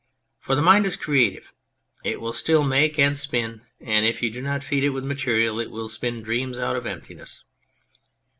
For the mind is creative ; it will still make and spin ; and if you do not feed it with material it will spin dreams out of emptiness.